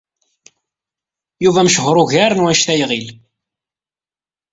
Yuba mechuṛ ugar n wanect ay iɣil.